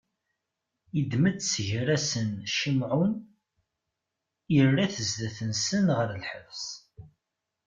Iddem-d si gar-asen Cimɛun, irra-t zdat-nsen ɣer lḥebs.